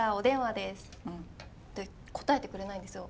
で答えてくれないんですよ。